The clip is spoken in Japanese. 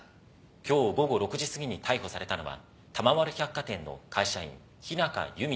今日午後６時すぎに逮捕されたのは玉丸百貨店の会社員日中弓容疑者３３歳です。